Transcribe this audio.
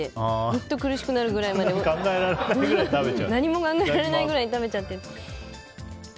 本当に苦しくなるくらいの量を何も考えられないぐらい食べちゃって。